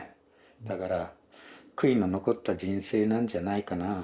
だから悔いの残った人生なんじゃないかなぁ。